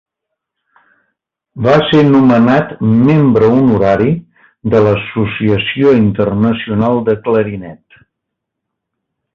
Va ser nomenat membre honorari de l'Associació Internacional de Clarinet.